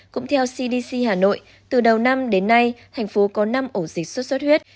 cũng theo cdc hà nội từ đầu năm đến nay thành phố có năm ổ dịch sốt xuất huyết